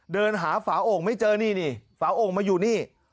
เดินหาฝาโอ่งไม่เจอนี่นี่ฝาโอ่งมาอยู่นี่